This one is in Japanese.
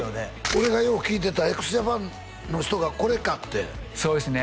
俺がよう聴いてたＸＪＡＰＡＮの人がこれかってそうですね